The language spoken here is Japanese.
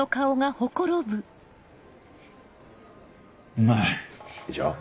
うまい。でしょ？